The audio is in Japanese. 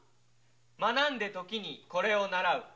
学んで時にこれをならう。